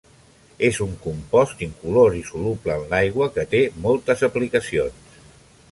És un compost incolor i soluble en l'aigua que té moltes aplicacions.